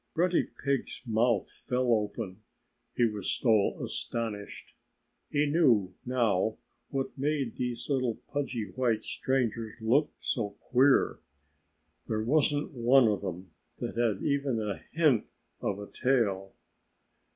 Grunty Pig's mouth fell open he was so astonished. He knew, now, what made the little, pudgy, white strangers look so queer. There wasn't one of them that had even a hint of a tail!